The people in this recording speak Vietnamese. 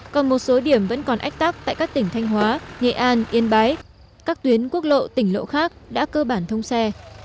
còn một số điểm vẫn còn ách tắc tại các tỉnh thanh hóa nghệ an yên bái các tuyến quốc lộ tỉnh lộ khác đã cơ bản thông xe